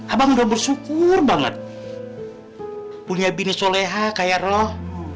abang udah bersyukur banget punya bini soleha kayak roh